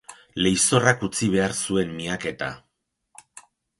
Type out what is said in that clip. Leizorrak utzi behar zuen miaketa.